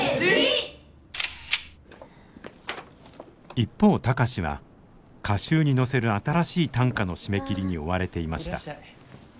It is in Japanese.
一方貴司は歌集に載せる新しい短歌の締め切りに追われていました。